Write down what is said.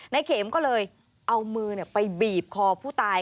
ในเข็มก็เลยเอามือไปบีบคอผู้ตาย